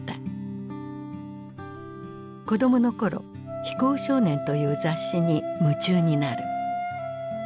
子どもの頃「飛行少年」という雑誌に夢中になる。